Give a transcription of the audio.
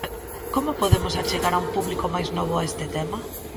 Como podemos achegar a un público máis novo a este tema?